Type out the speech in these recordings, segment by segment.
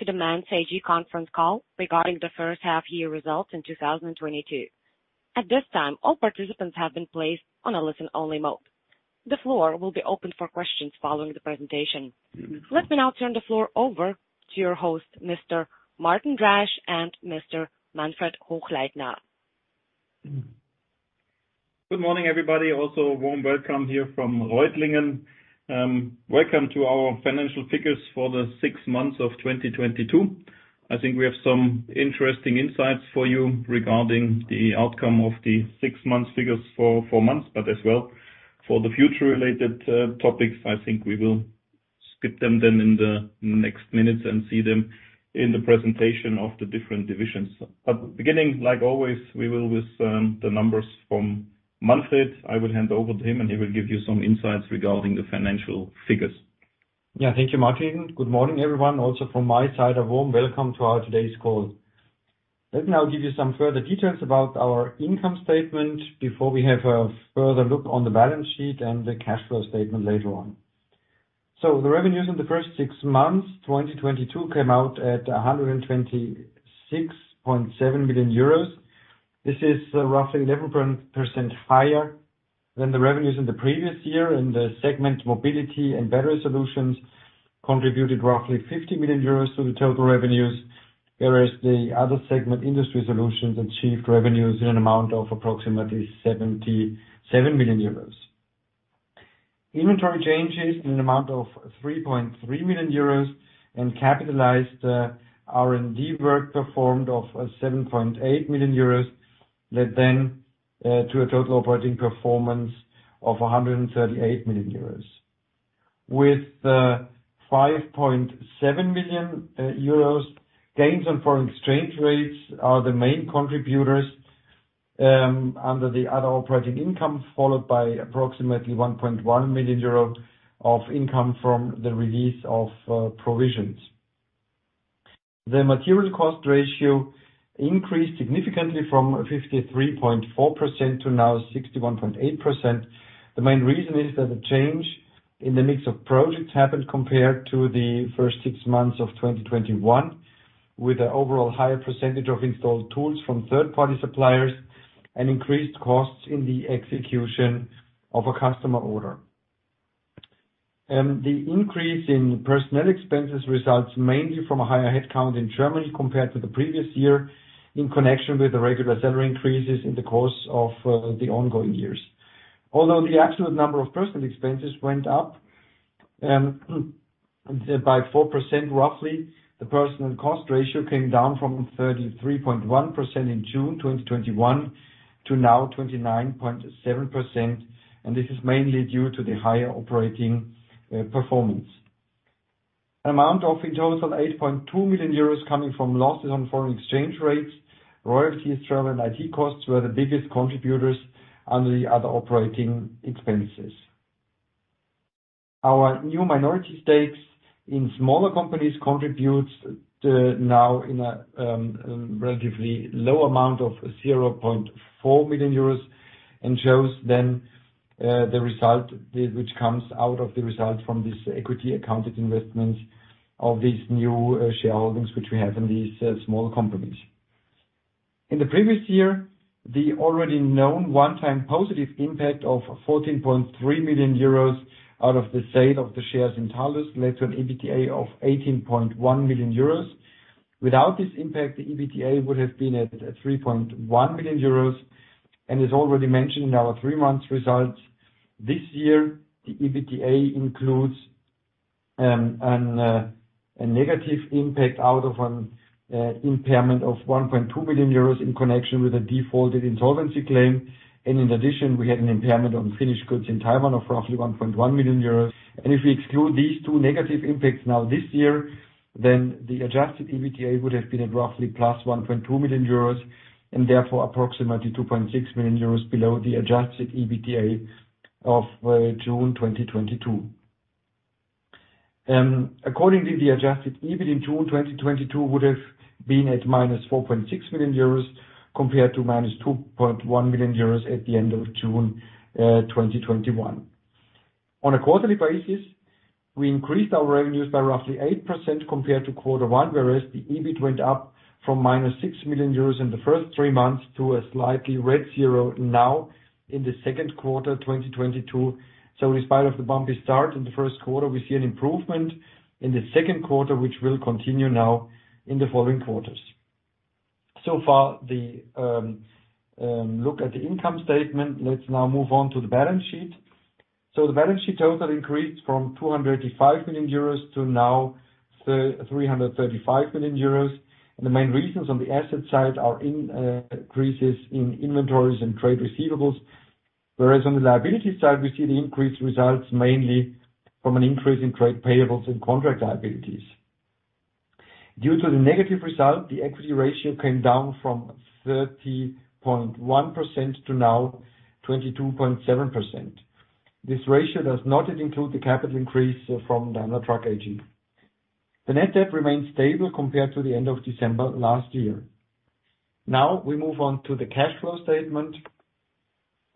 Welcome to the Manz AG conference call regarding the first half-year results in 2022. At this time, all participants have been placed on a listen-only mode. The floor will be open for questions following the presentation. Let me now turn the floor over to your host, Mr. Martin Drasch and Mr. Manfred Hochleitner. Good morning, everybody. Also warm welcome here from Reutlingen. Welcome to our financial figures for the six months of 2022. I think we have some interesting insights for you regarding the outcome of the six months figures for four months, but as well, for the future related topics. I think we will skip them then in the next minutes and see them in the presentation of the different divisions. Beginning, like always, we will with the numbers from Manfred. I will hand over to him, and he will give you some insights regarding the financial figures. Yeah, thank you, Martin. Good morning, everyone. Also from my side, a warm welcome to our today's call. Let me now give you some further details about our income statement before we have a further look on the balance sheet and the cash flow statement later on. The revenues in the first six months of 2022 came out at 126.7 million euros. This is roughly 11% higher than the revenues in the previous year, and the segment Mobility & Battery Solutions contributed roughly 50 million euros to the total revenues, whereas the other segment, Industry Solutions, achieved revenues in an amount of approximately 77 million euros. Inventory changes in an amount of 3.3 million euros and capitalized R&D work performed of 7.8 million euros led then to a total operating performance of 138 million euros. With the 5.7 million euros, gains on foreign exchange rates are the main contributors under the other operating income, followed by approximately 1.1 million euro of income from the release of provisions. The material cost ratio increased significantly from 53.4% to now 61.8%. The main reason is that the change in the mix of projects happened compared to the first six months of 2021, with an overall higher percentage of installed tools from third-party suppliers and increased costs in the execution of a customer order. The increase in personnel expenses results mainly from a higher headcount in Germany compared to the previous year in connection with the regular salary increases in the course of the ongoing years. Although the absolute number of personnel expenses went up by 4%, roughly, the personnel cost ratio came down from 33.1% in June 2021 to now 29.7%, and this is mainly due to the higher operating performance. An amount of in total 8.2 million euros coming from losses on foreign exchange rates. Royalties, travel, and IT costs were the biggest contributors under the other operating expenses. Our new minority stakes in smaller companies contributes now in a relatively low amount of 0.4 million euros and shows then the result which comes out of the result from this equity accounted investments of these new shareholdings which we have in these small companies. In the previous year, the already known one-time positive impact of 14.3 million euros out of the sale of the shares in Talus led to an EBITDA of 18.1 million euros. Without this impact, the EBITDA would have been at 3.1 million euros, and is already mentioned in our three-month results. This year, the EBITDA includes a negative impact out of an impairment of 1.2 million euros in connection with a defaulted insolvency claim. In addition, we had an impairment on finished goods in Taiwan of roughly 1.1 million euros. If we exclude these two negative impacts now this year, then the adjusted EBITDA would have been at roughly +1.2 million euros, and therefore approximately 2.6 million euros below the adjusted EBITDA of June 2022. Accordingly, the adjusted EBIT in June 2022 would have been at -4.6 million euros compared to -2.1 million euros at the end of June 2021. On a quarterly basis, we increased our revenues by roughly 8% compared to quarter one, whereas the EBIT went up from -6 million euros in the first three months to a slightly red zero now in the second quarter, 2022. In spite of the bumpy start in the first quarter, we see an improvement in the second quarter, which will continue now in the following quarters. Look at the income statement. Let's now move on to the balance sheet. The balance sheet total increased from 205 million euros to now 335 million euros. The main reasons on the asset side are increases in inventories and trade receivables. Whereas on the liability side, we see the increased results mainly from an increase in trade payables and contract liabilities. Due to the negative result, the equity ratio came down from 30.1% to now 22.7%. This ratio does not include the capital increase from Daimler Truck AG. The net debt remains stable compared to the end of December last year. Now we move on to the cash flow statement.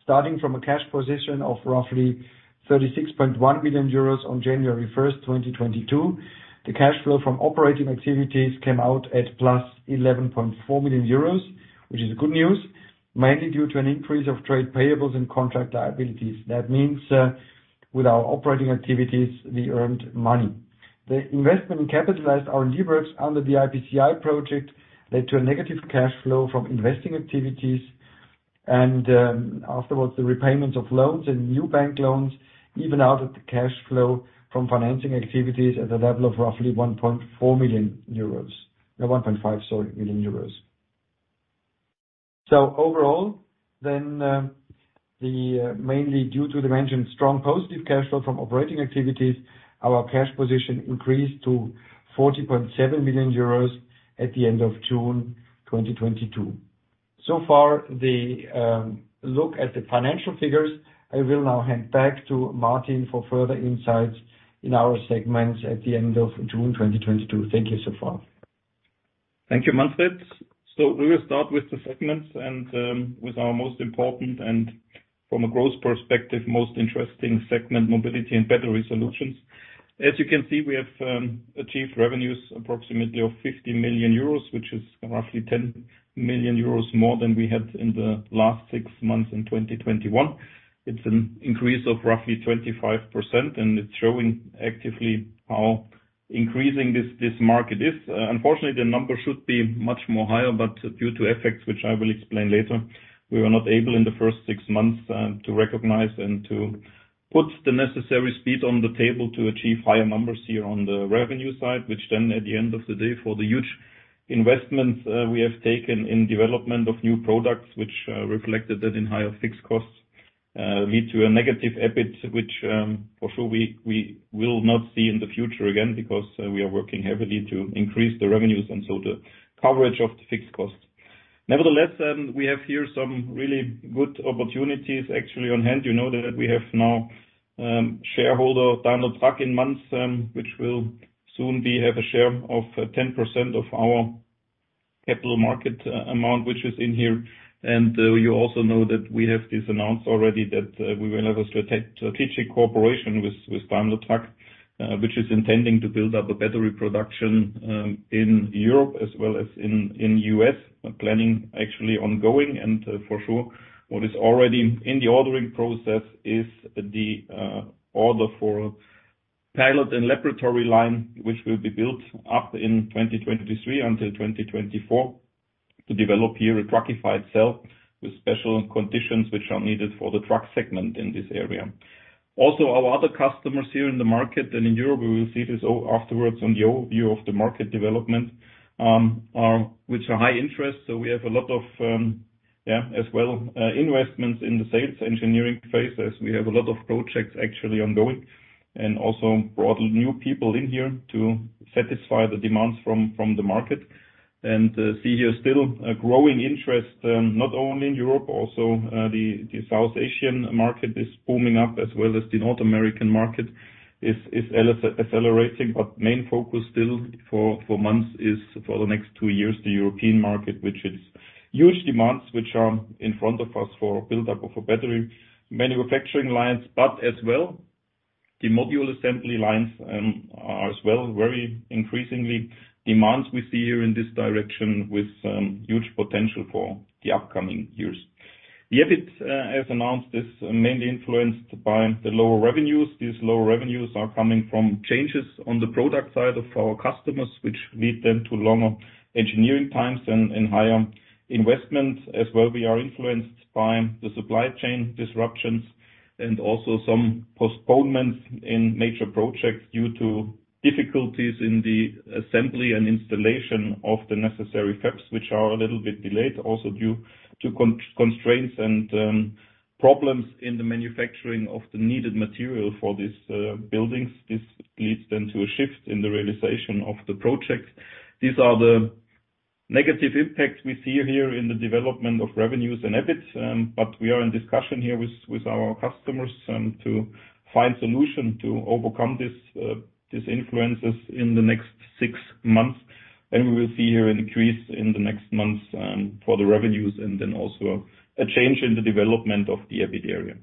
Starting from a cash position of roughly 36.1 billion euros on January 1st, 2022. The cash flow from operating activities came out at +11.4 million euros, which is good news, mainly due to an increase of trade payables and contract liabilities. That means with our operating activities, we earned money. The investment in capitalized R&D works under the IPCI project led to a negative cash flow from investing activities. Afterwards, the repayments of loans and new bank loans evened out the cash flow from financing activities at a level of roughly 1.5 million euros. Overall, mainly due to the mentioned strong positive cash flow from operating activities, our cash position increased to 40.7 million euros at the end of June 2022. So far, let's look at the financial figures. I will now hand back to Martin for further insights into our segments at the end of June 2022. Thank you so far. Thank you, Manfred. We will start with the segments and with our most important and from a growth perspective, most interesting segment, Mobility and Battery Solutions. As you can see, we have achieved revenues approximately of 50 million euros, which is roughly 10 million euros more than we had in the last six months in 2021. It's an increase of roughly 25%, and it's showing actively how increasing this market is. Unfortunately, the number should be much more higher, but due to effects which I will explain later, we were not able in the first six months to recognize and to put the necessary speed on the table to achieve higher numbers here on the revenue side. At the end of the day, for the huge investments we have taken in development of new products which reflected that in higher fixed costs lead to a negative EBIT which for sure we will not see in the future again because we are working heavily to increase the revenues and so the coverage of the fixed costs. Nevertheless, we have here some really good opportunities actually on hand. You know that we have now shareholder Daimler Truck in months which will soon have a share of 10% of our capital market amount which is in here. You also know that we have this announced already that we will have a strategic cooperation with Daimler Truck, which is intending to build up a battery production in Europe as well as in the U.S. Planning actually ongoing. For sure, what is already in the ordering process is the order for pilot and laboratory line, which will be built up in 2023 until 2024 to develop here a truckified cell with special conditions which are needed for the truck segment in this area. Also, our other customers here in the market and in Europe, we will see this afterwards on the overview of the market development, which are of high interest. We have a lot of yeah as well investments in the sales engineering phase and we have a lot of projects actually ongoing. Also brought new people in here to satisfy the demands from the market. See here still a growing interest not only in Europe, also the Southeast Asian market is booming up as well as the North American market is accelerating. Main focus still for Manz is for the next two years the European market which is huge demands which are in front of us for build up of a battery manufacturing lines. As well, the module assembly lines are as well very increasingly demands we see here in this direction with huge potential for the upcoming years. The EBIT as announced is mainly influenced by the lower revenues. These lower revenues are coming from changes on the product side of our customers which lead them to longer engineering times and higher investments. As well, we are influenced by the supply chain disruptions and also some postponements in major projects due to difficulties in the assembly and installation of the necessary FEPS, which are a little bit delayed also due to constraints and problems in the manufacturing of the needed material for these buildings. This leads then to a shift in the realization of the projects. These are the negative impacts we see here in the development of revenues and EBIT, but we are in discussion here with our customers to find solution to overcome these influences in the next six months. We will see here an increase in the next months for the revenues and then also a change in the development of the EBIT area.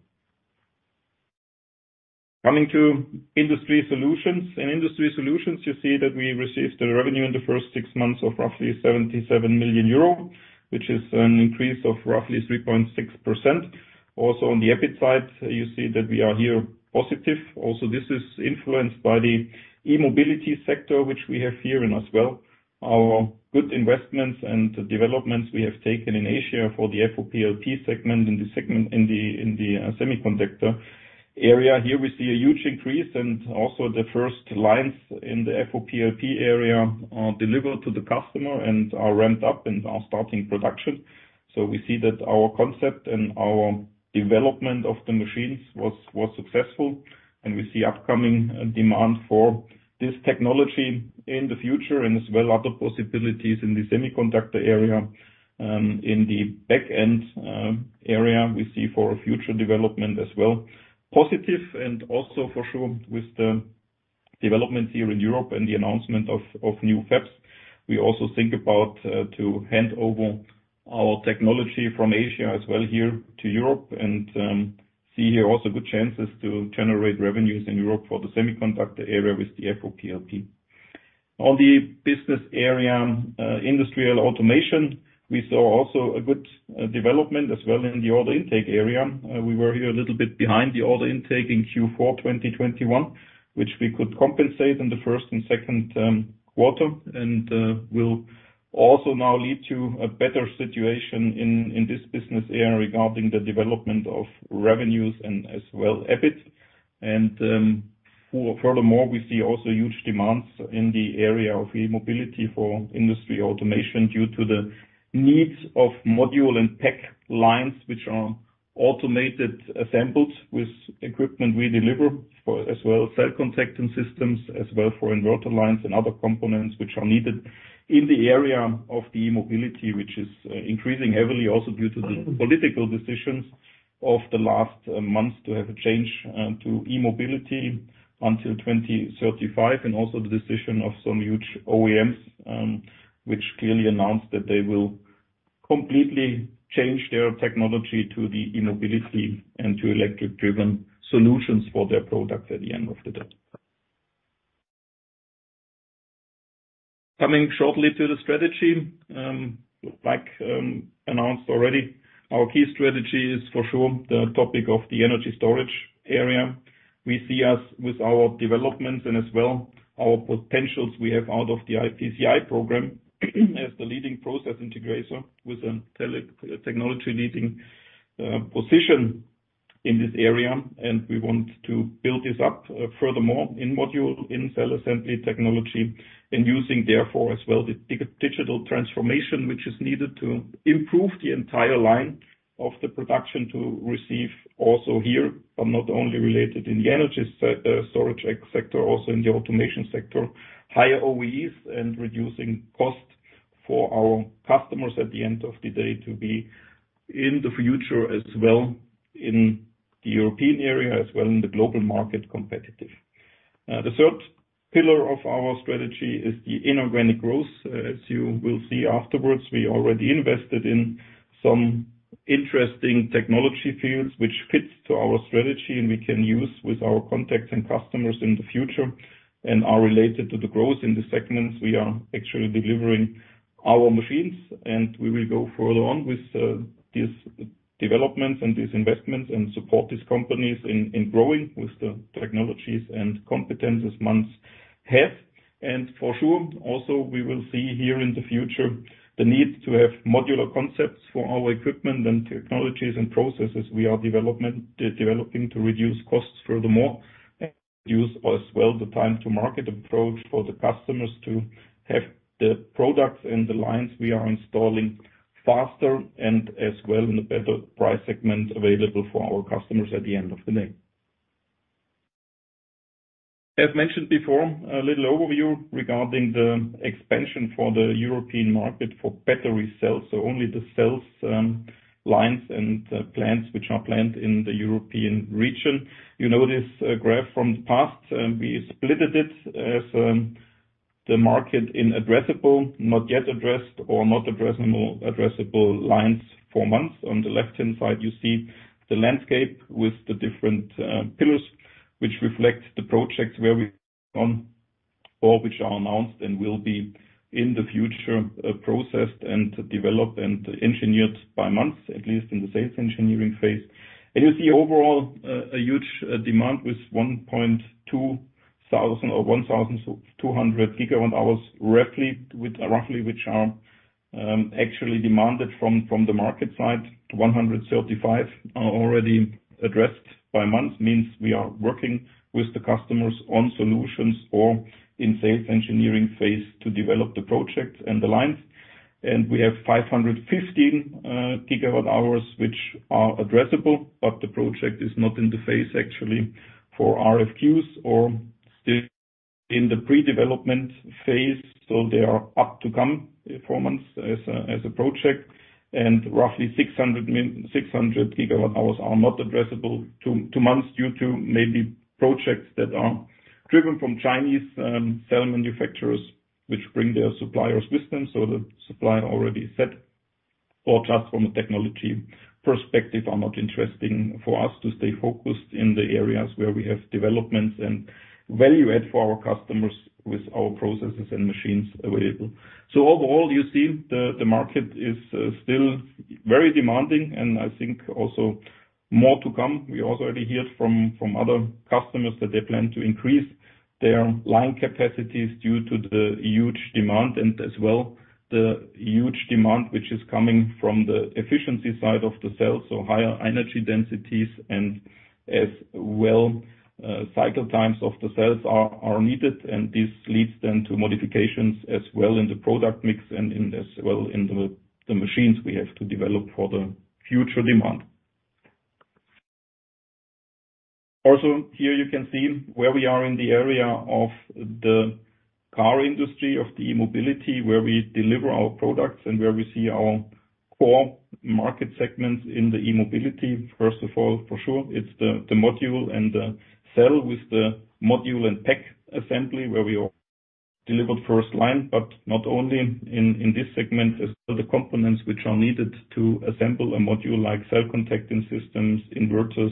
Coming to Industry Solutions. In Industry Solutions, you see that we received revenue in the first six months of roughly 77 million euro, which is an increase of roughly 3.6%. On the EBIT side, you see that we are here positive. This is influenced by the e-mobility sector which we have here in as well. Our good investments and developments we have taken in Asia for the FOPLP segment in the semiconductor area. Here we see a huge increase and also the first lines in the FOPLP area are delivered to the customer and are ramped up and are starting production. We see that our concept and our development of the machines was successful, and we see upcoming demand for this technology in the future and as well other possibilities in the semiconductor area. In the back-end area, we see for future development as well. Positive and also for sure with the developments here in Europe and the announcement of new fabs. We also think about to hand over our technology from Asia as well here to Europe and see here also good chances to generate revenues in Europe for the semiconductor area with the FOPLP. On the business area industrial automation, we saw also a good development as well in the order intake area. We were here a little bit behind the order intake in Q4 2021, which we could compensate in the first and second quarter. Will also now lead to a better situation in this business area regarding the development of revenues and as well EBIT. Furthermore, we see also huge demands in the area of e-mobility for industry automation due to the needs of module and pack lines, which are automated, assembled with equipment we deliver for as well cell contacting systems as well for inverter lines and other components which are needed in the area of the e-mobility, which is increasing heavily also due to the political decisions of the last months to have a change to e-mobility until 2035. Also the decision of some huge OEMs, which clearly announced that they will completely change their technology to the e-mobility and to electric driven solutions for their products at the end of the day. Coming shortly to the strategy, like announced already, our key strategy is for sure the topic of the energy storage area. We see us with our developments and as well our potentials we have out of the IPCI program as the leading process integrator with a technology leading position in this area. We want to build this up furthermore in modular cell assembly technology and using therefore as well the digital transformation, which is needed to improve the entire line of the production to achieve also here, but not only related in the energy storage sector, also in the automation sector, higher OEEs and reducing costs for our customers at the end of the day to be in the future as well in the European area, as well in the global market competitive. The third pillar of our strategy is the inorganic growth. As you will see afterwards, we already invested in some interesting technology fields which fits to our strategy, and we can use with our contacts and customers in the future, and are related to the growth in the segments we are actually delivering our machines. We will go further on with these developments and these investments and support these companies in growing with the technologies and competences Manz have. For sure, also we will see here in the future the need to have modular concepts for our equipment and technologies and processes we are developing to reduce costs furthermore. Reduce as well the time to market approach for the customers to have the products and the lines we are installing faster and as well in a better price segment available for our customers at the end of the day. As mentioned before, a little overview regarding the expansion for the European market for battery cells. Only the cells, lines and plants which are planned in the European region. You know this graph from the past, we split it into the market in addressable, not yet addressed or not addressable lines for Manz. On the left-hand side, you see the landscape with the different pillars, which reflect the projects where we've gone or which are announced and will be in the future processed and developed and engineered by Manz, at least in the sales engineering phase. You see overall a huge demand with 1,200 GWh, roughly which are actually demanded from the market side. 135 are already addressed by Manz, means we are working with the customers on solutions or in sales engineering phase to develop the projects and the lines. We have 515 GWh, which are addressable, but the project is not in the phase actually for RFQs or still in the pre-development phase, so they are up to come in four months as a project. Roughly 600 GWh are not addressable to Manz due to maybe projects that are driven from Chinese cell manufacturers which bring their suppliers with them, so the supply already is set. Or just from a technology perspective, are not interesting for us to stay focused in the areas where we have developments and value add for our customers with our processes and machines available. Overall, you see the market is still very demanding and I think also more to come. We also already hear from other customers that they plan to increase their line capacities due to the huge demand and as well the huge demand which is coming from the efficiency side of the cell. Higher energy densities and as well, cycle times of the cells are needed and this leads then to modifications as well in the product mix and in as well in the machines we have to develop for the future demand. Also, here you can see where we are in the area of the car industry of the e-mobility, where we deliver our products and where we see our core market segments in the e-mobility. First of all, for sure, it's the module and the cell with the module and pack assembly where we delivered first line, but not only in this segment, as per the components which are needed to assemble a module like cell contacting systems, inverters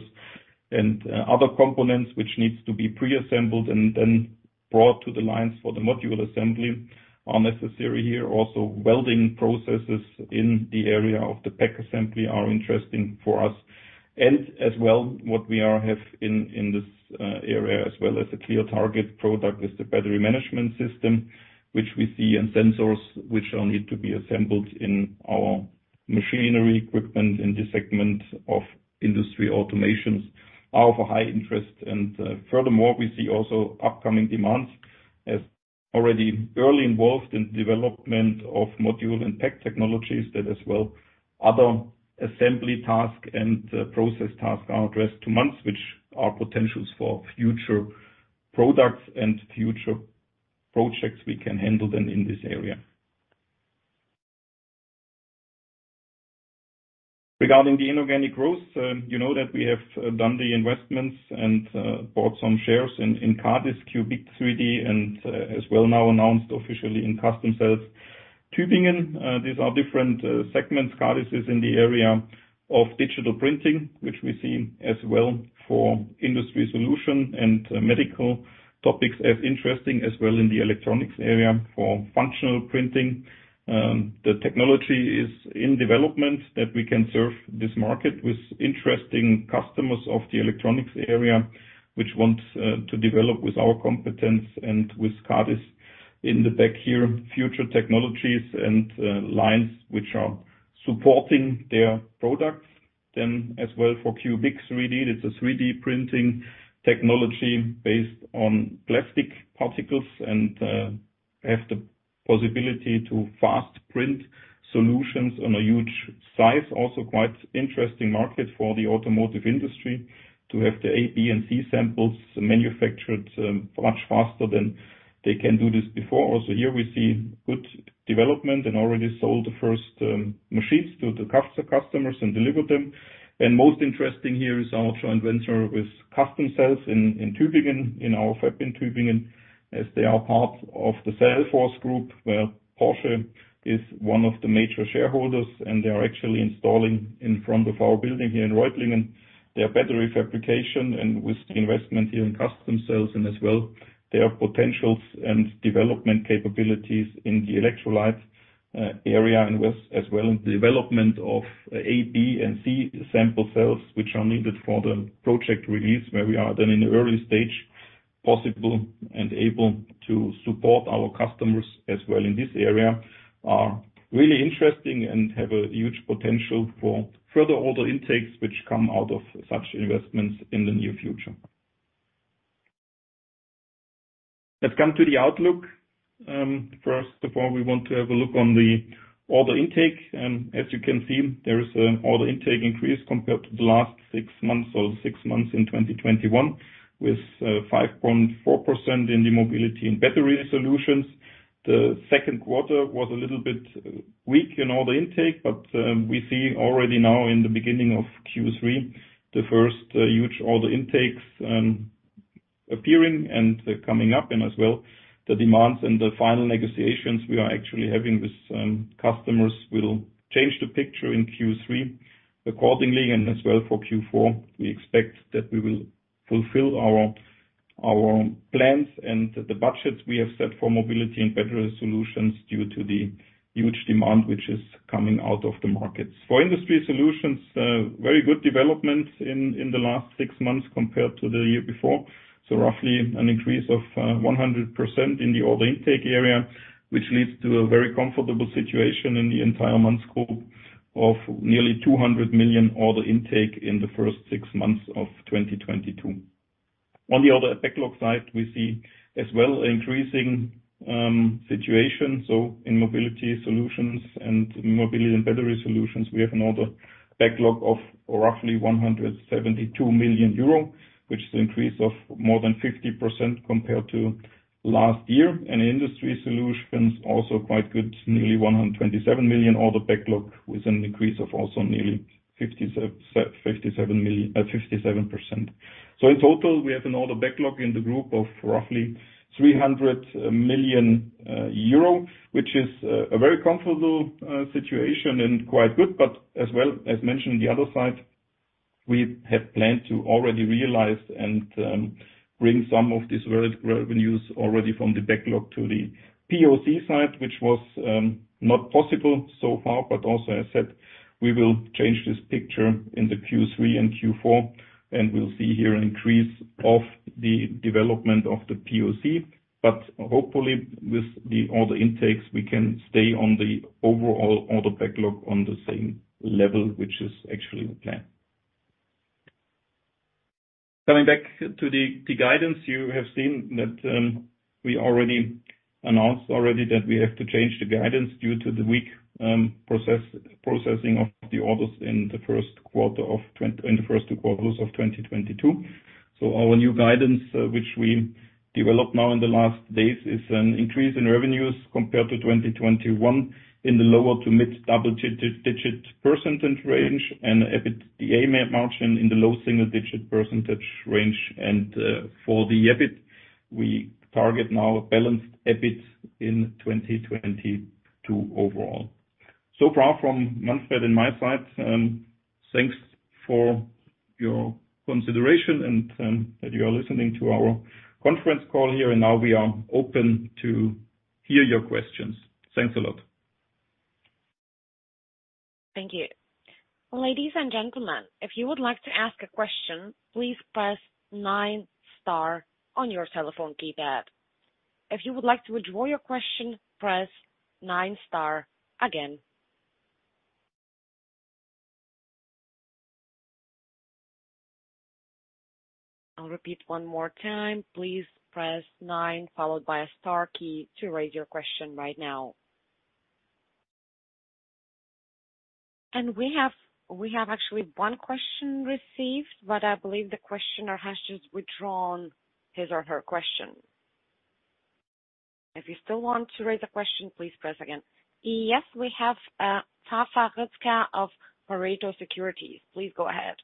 and other components which needs to be preassembled and then brought to the lines for the module assembly are necessary here. Also, welding processes in the area of the pack assembly are interesting for us. As well, what we have in this area as well as a clear target product is the battery management system, which we see in sensors, which all need to be assembled in our machinery equipment in this segment of industrial automation are of a high interest. Furthermore, we see also upcoming demands as already early involved in development of module and pack technologies that as well other assembly task and process task are addressed to Manz, which are potentials for future products and future projects we can handle then in this area. Regarding the inorganic growth, you know that we have done the investments and bought some shares in Q.big 3D and as well now announced officially in Customcells Tübingen. These are different segments. Q.big is in the area of digital printing, which we see as well for Industry Solutions and medical topics as interesting as well in the electronics area for functional printing. The technology is in development that we can serve this market with interesting customers of the electronics area, which wants to develop with our competence and with CADIS in the back here, future technologies and lines which are supporting their products. As well for Q.big 3D, it's a 3D printing technology based on plastic particles and have the possibility to fast print solutions on a huge size. Also quite interesting market for the automotive industry to have the A, B, and C samples manufactured much faster than they can do this before. Also here we see good development and already sold the first machines to the customers and delivered them. Most interesting here is our joint venture with Customcells in Tübingen, in our fab in Tübingen, as they are part of the Cellforce Group, where Porsche is one of the major shareholders, and they are actually installing in front of our building here in Reutlingen, their battery fabrication and with the investment here in Customcells and as well, their potentials and development capabilities in the electrolyte area and with as well in development of A, B, and C sample cells which are needed for the project release where we are then in the early stage possible and able to support our customers as well in this area are really interesting and have a huge potential for further order intakes which come out of such investments in the near future. Let's come to the outlook. First of all, we want to have a look on the order intake, and as you can see, there is an order intake increase compared to the last six months or six months in 2021, with 5.4% in the Mobility & Battery Solutions. The second quarter was a little bit weak in order intake, but we see already now in the beginning of Q3, the first huge order intakes appearing and coming up, and as well, the demands and the final negotiations we are actually having with customers will change the picture in Q3 accordingly, and as well for Q4, we expect that we will fulfill our plans and the budgets we have set for Mobility & Battery Solutions due to the huge demand which is coming out of the markets. For Industry Solutions, very good development in the last six months compared to the year before. Roughly an increase of 100% in the order intake area, which leads to a very comfortable situation in the entire month scope of nearly 200 million order intake in the first six months of 2022. On the other backlog side, we see as well increasing situation. In Mobility & Battery Solutions, we have an order backlog of roughly 172 million euro, which is increase of more than 50% compared to last year. Industry Solutions, also quite good, nearly 127 million order backlog with an increase of also nearly 57%. In total, we have an order backlog in the group of roughly 300 million euro, which is a very comfortable situation and quite good. As well, as mentioned, the other side, we have planned to already realize and bring some of these revenues already from the backlog to the POC side, which was not possible so far. Also, I said we will change this picture in the Q3 and Q4, and we'll see here an increase of the development of the POC. Hopefully, with the order intakes, we can stay on the overall order backlog on the same level, which is actually the plan. Coming back to the guidance, you have seen that we already announced that we have to change the guidance due to the weak processing of the orders in the first two quarters of 2022. Our new guidance, which we developed now in the last days, is an increase in revenues compared to 2021 in the lower- to mid-double-digit % range and EBITDA margin in the low single-digit % range. For the EBIT, we target now a balanced EBIT in 2022 overall. So far from Manfred Hochleitner and my side, thanks for your consideration and that you are listening to our conference call here, and now we are open to hear your questions. Thanks a lot. Thank you. Ladies and gentlemen, if you would like to ask a question, please press nine star on your telephone keypad. If you would like to withdraw your question, press nine star again. I'll repeat one more time. Please press nine followed by a star key to raise your question right now. We have actually one question received, but I believe the questioner has just withdrawn his or her question. If you still want to raise a question, please press again. Yes, we have Zafer Rüzgar of Pareto Securities. Please go ahead.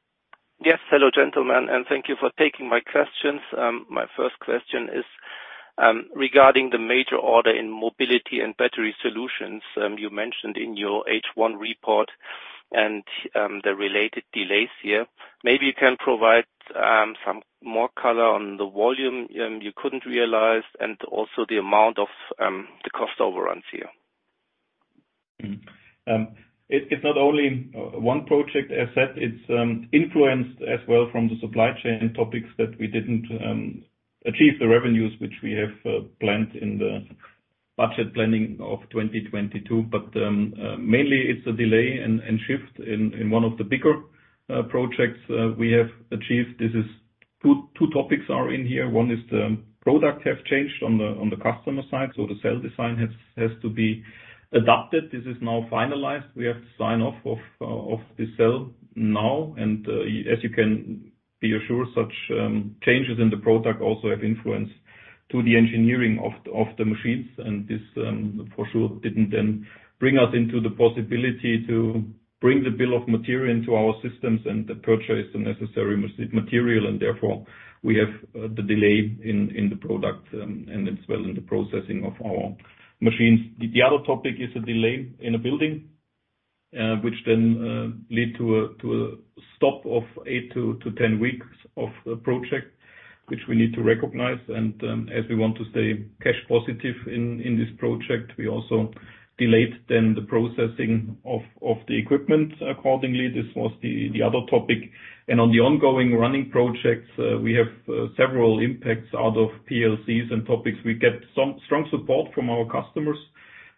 Yes. Hello, gentlemen, and thank you for taking my questions. My first question is regarding the major order in Mobility & Battery Solutions. You mentioned in your H1 report and the related delays here. Maybe you can provide some more color on the volume you couldn't realize and also the amount of the cost overruns here. It's not only one project, as said, it's influenced as well from the supply chain topics that we didn't achieve the revenues which we have planned in the budget planning of 2022. Mainly it's a delay and shift in one of the bigger projects we have achieved. This is two topics are in here. One is the product have changed on the customer side, so the cell design has to be adapted. This is now finalized. We have sign off of the cell now. As you can be assured, such changes in the product also have influence to the engineering of the machines. This for sure didn't then bring us into the possibility to bring the bill of material into our systems and purchase the necessary material. Therefore, we have the delay in the product and it's well in the processing of our machines. The other topic is a delay in a building, which then led to a stop of eight-10 weeks of the project, which we need to recognize. As we want to stay cash positive in this project, we also delayed then the processing of the equipment accordingly. This was the other topic. On the ongoing running projects, we have several impacts out of PLCs and topics. We get some strong support from our customers,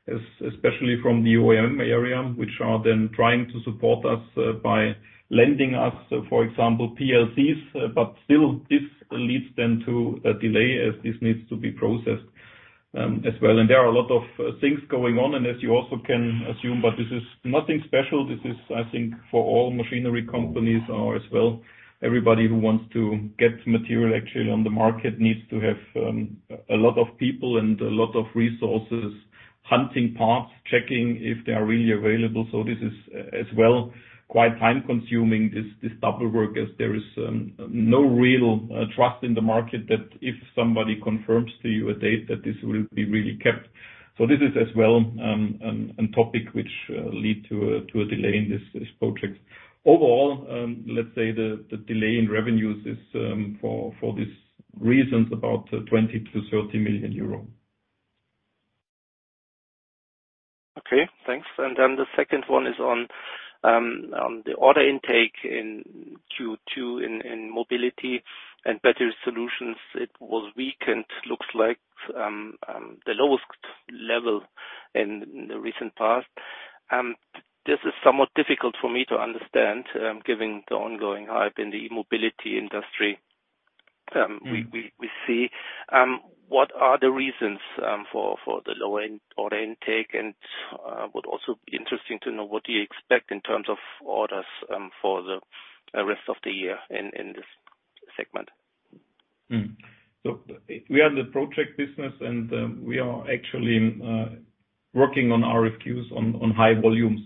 especially from the OEM area, which are then trying to support us by lending us, for example, PLCs. Still, this leads then to a delay as this needs to be processed, as well. There are a lot of things going on, and as you also can assume, but this is nothing special. This is, I think, for all machinery companies or as well, everybody who wants to get material actually on the market needs to have a lot of people and a lot of resources, hunting parts, checking if they are really available. This is, as well, quite time-consuming, this double work, as there is no real trust in the market that if somebody confirms to you a date, that this will be really kept. This is as well a topic which lead to a delay in this project. Overall, let's say the delay in revenues is for these reasons about 20 million-30 million euros. Okay, thanks. The second one is on the order intake in Q2 in Mobility & Battery Solutions. It was weakened, looks like, the lowest level in the recent past. This is somewhat difficult for me to understand, given the ongoing hype in the e-mobility industry. Mm. We see. What are the reasons for the lower order intake? Would also be interesting to know what do you expect in terms of orders for the rest of the year in this segment? We are the project business, and we are actually working on RFQs on high volumes.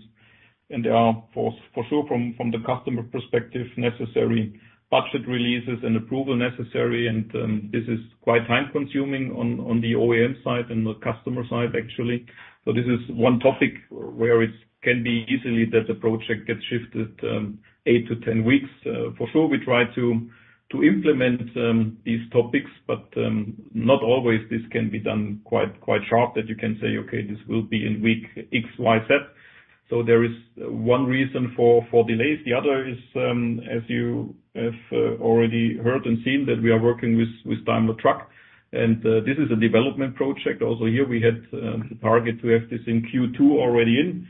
There are for sure from the customer perspective necessary budget releases and approval necessary. This is quite time-consuming on the OEM side and the customer side, actually. This is one topic where it can be easily that the project gets shifted eight-10 weeks. For sure, we try to implement these topics, but not always this can be done quite sharp, that you can say, "Okay, this will be in week X, Y, Z." There is one reason for delays. The other is as you have already heard and seen that we are working with Daimler Truck, and this is a development project. Also here, we had the target to have this in Q2 already in.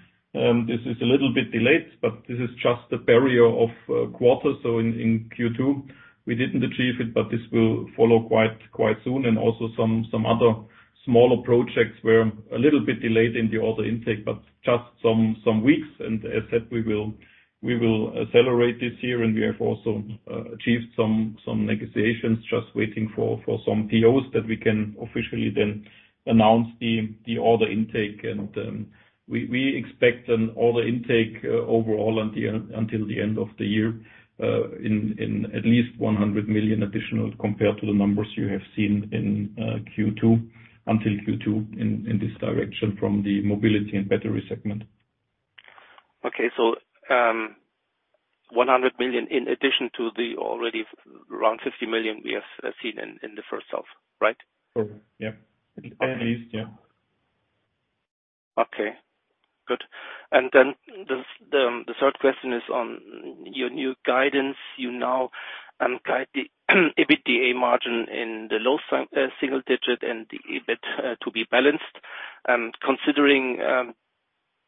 This is a little bit delayed, but this is just the end of quarter. In Q2, we didn't achieve it, but this will follow quite soon. Also some other smaller projects were a little bit delayed in the order intake, but just some weeks. As said, we will accelerate this year, and we have also achieved some negotiations, just waiting for some POs that we can officially then announce the order intake. We expect an order intake overall until the end of the year in at least 100 million additional compared to the numbers you have seen up until Q2 in this direction from the Mobility & Battery Solutions. Okay. 100 million in addition to the already around 50 million we have seen in the first half, right? Oh, yep. At least, yeah. Okay, good. The third question is on your new guidance. You now guide the EBITDA margin in the low single-digit percent and the EBIT to be balanced. Considering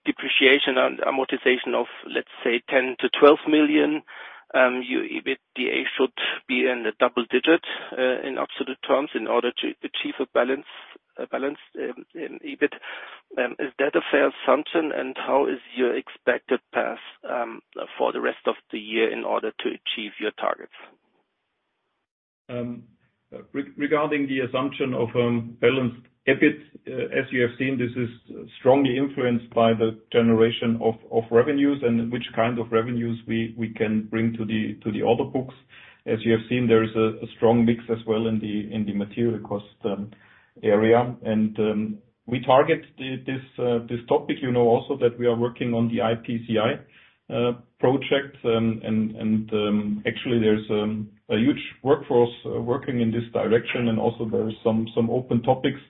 depreciation and amortization of, let's say, 10-12 million, your EBITDA should be in the double digit in absolute terms in order to achieve a balance in EBIT. Is that a fair assumption? How is your expected path for the rest of the year in order to achieve your targets? Regarding the assumption of balanced EBIT, as you have seen, this is strongly influenced by the generation of revenues and which kind of revenues we can bring to the order books. As you have seen, there is a strong mix as well in the material cost area. We target this topic, you know also that we are working on the IPCI project. Actually, there's a huge workforce working in this direction, and also there is some open topics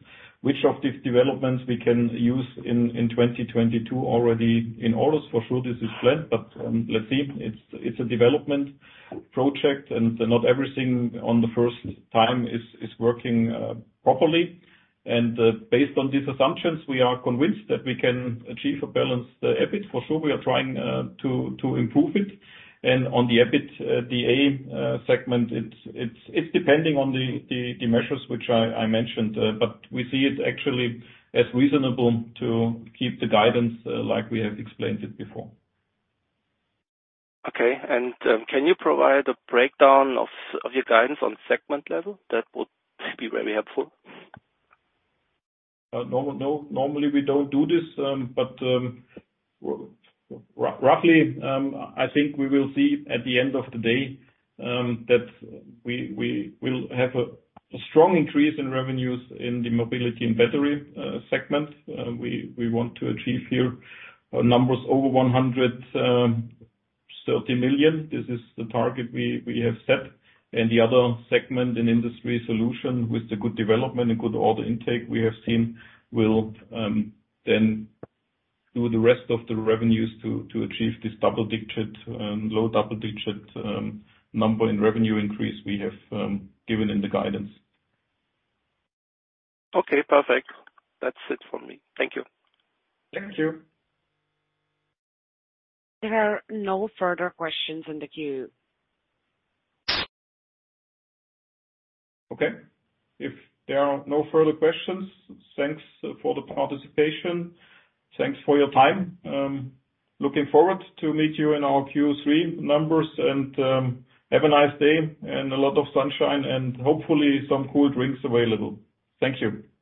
which of these developments we can use in 2022 already in orders. For sure this is planned, but let's see. It's a development project and not everything on the first time is working properly. Based on these assumptions, we are convinced that we can achieve a balanced EBIT. For sure, we are trying to improve it. On the EBITDA segment, it's depending on the measures which I mentioned. But we see it actually as reasonable to keep the guidance like we have explained it before. Okay. Can you provide a breakdown of your guidance on segment level? That would be very helpful. No. Normally, we don't do this, but roughly, I think we will see at the end of the day that we will have a strong increase in revenues in the Mobility and Battery segment. We want to achieve here numbers over 130 million. This is the target we have set. The other segment, Industry Solutions, with the good development and good order intake we have seen will then do the rest of the revenues to achieve this low double-digit number in revenue increase we have given in the guidance. Okay, perfect. That's it for me. Thank you. Thank you. There are no further questions in the queue. Okay. If there are no further questions, thanks for the participation. Thanks for your time. Looking forward to meet you in our Q3 numbers and have a nice day and a lot of sunshine and hopefully some cool drinks available. Thank you.